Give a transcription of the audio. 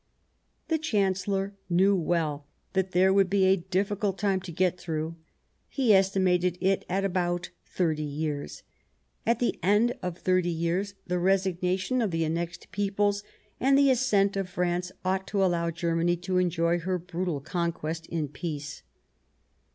The Chancellor knew well that there would be a difficult time to get through ; he estimated it at about thirty years ; at the end of thirty years, the resignation of the annexed peoples and the assent of France ought to allow Germany to enjoy her brutal conquest in peace.